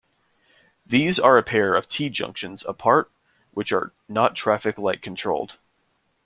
These are a pair of T-junctions, apart, which are not traffic-light controlled.